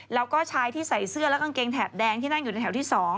แล้วก็ชายที่ใส่เสื้อและกางเกงแถบแดงที่นั่งอยู่ในแถวที่๒